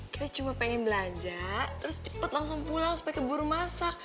kita cuma pengen belanja terus cepet langsung pulang supaya keburu masak